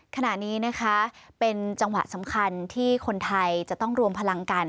ขณะนี้นะคะเป็นจังหวะสำคัญที่คนไทยจะต้องรวมพลังกัน